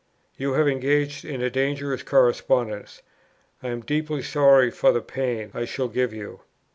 You have engaged in a dangerous correspondence; I am deeply sorry for the pain I shall give you.